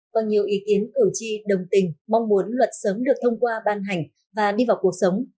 có nhiều ý kiến cử tri đồng tình mong muốn luật sớm được thông qua ban hành và đi vào cuộc sống